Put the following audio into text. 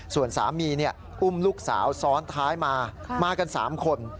ส่วนสามีอุ้มลูกสาวซ้อนท้ายมามากัน๓คน